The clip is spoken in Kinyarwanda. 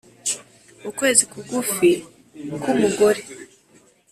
ukwezi kugufi kwu mugore,